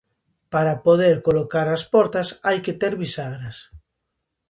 Para poder colocar as portas, hai que ter bisagras.